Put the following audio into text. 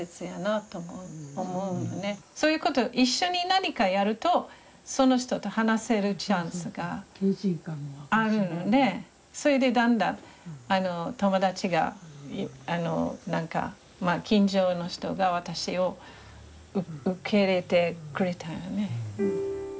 そういう事一緒に何かやるとその人と話せるチャンスがあるのでそれでだんだん友達があの何かまあ近所の人が私を受け入れてくれたよね。